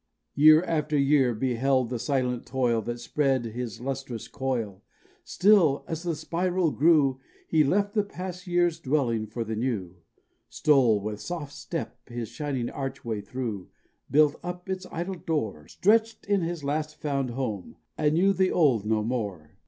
Year after year beheld the silent toil That spread his lustrous coil; Still, as the spiral grew, He left the past year's dwelling for the new, Stole with soft step his shining archway through, Built up its idle door, Stretched in his last found home, and knew the old no more.